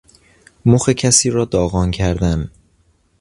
مخ کسی را داغان کردن